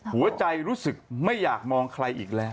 หัวใจรู้สึกไม่อยากมองใครอีกแล้ว